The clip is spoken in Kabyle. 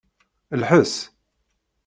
Lḥes.